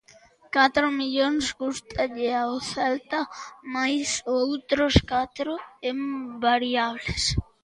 Catro millóns cústalle ao Celta máis outros catro en variables.